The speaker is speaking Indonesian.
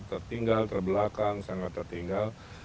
tertinggal terbelakang sangat tertinggal